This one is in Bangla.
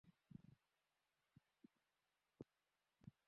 তারপর অসংখ্য শিশুর নিরাপদ জীবন নিশ্চিত করতে সহায়তা করেছেন কৈলাস সত্যার্থী।